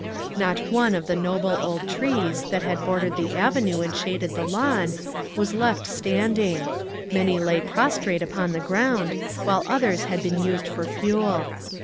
Not one of the noble old trees, that had bordered the avenue and shaded the lawn, was left standing; many lay prostrate upon the ground, while others had been used for fuel.